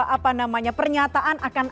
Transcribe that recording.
apa namanya pernyataan akan